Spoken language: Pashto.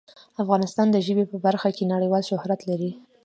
افغانستان د ژبې په برخه کې نړیوال شهرت لري.